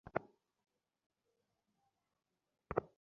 কথার উত্তর দিয়ে যাও।